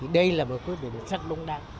đây là một quyết định rất đúng đáng